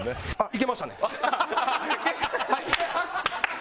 いけました。